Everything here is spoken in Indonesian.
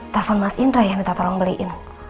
telepon mas indra ya minta tolong beliin